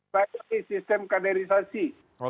perbaiki sistem kaderisasi